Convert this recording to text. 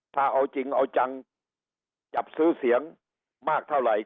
ถ้าเอาจริงเอาจังจับซื้อเสียงมากเท่าไหร่